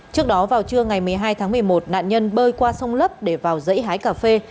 trước đó vào trưa ngày một mươi hai tháng một mươi một nạn nhân bơi qua sông lấp để vào dãy hái cà phê